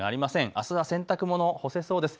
あすは洗濯物、干せそうです。